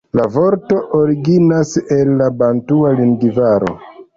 La vorto originas el la bantua lingvaro.